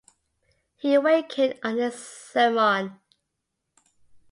He wakened on his sermon.